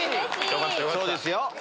そうですよ。